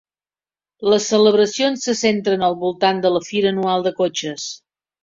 Les celebracions se centren al voltant de la fira anual de cotxes.